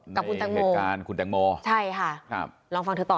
กับคุณแต่งโมใช่ค่ะลองฟังเธอตอบนะคะในเหตุการณ์คุณแต่งโม